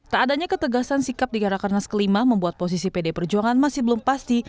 tak adanya ketegasan sikap di gara karnas kelima membuat posisi pd perjuangan masih belum pasti